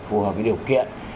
phù hợp với điều kiện